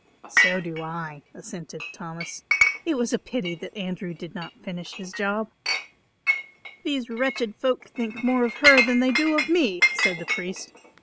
"So do I," assented Thomas. "It was a pity that Andrew did not finish his job." "These wretched folk think more of her than they do of me," said the priest.